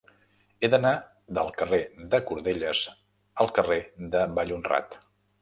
He d'anar del carrer de Cordelles al carrer de Vallhonrat.